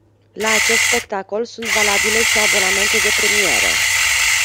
La acest spectacol sunt valabile și abonamentele de premieră.